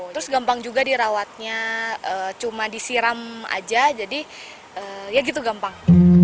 terus gampang juga dirawatnya cuma disiram aja jadi ya gitu gampang